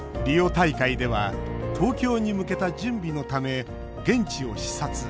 大会では東京に向けた準備のため現地を視察。